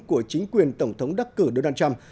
của chính quyền tổng thống đắc cử donald trump